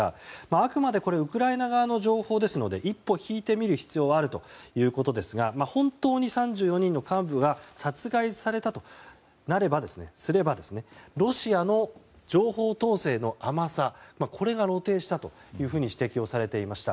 あくまでウクライナ側の情報ですので一歩引いて見る必要はあるということですが本当に３４人の幹部が殺害されたとすればロシアの情報統制の甘さこれが露呈したというふうに指摘をされておりました。